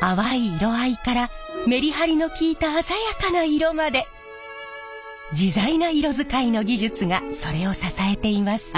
淡い色合いからメリハリの利いた鮮やかな色まで自在な色使いの技術がそれを支えています。